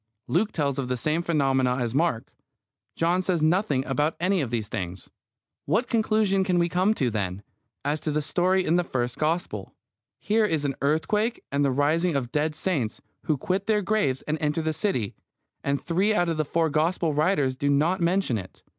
Luke tells of the same phenomena as Mark; John says nothing about any of these things. What conclusion can we come to, then, as to the story in the first Gospel? Here is an earthquake and the rising of dead saints, who quit their graves and enter the city, and three out of the four Gospel writers do not mention it.